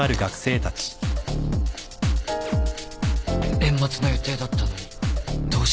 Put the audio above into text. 年末の予定だったのにどうして。